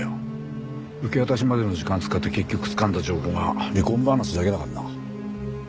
受け渡しまでの時間使って結局つかんだ情報が離婚話だけだからな。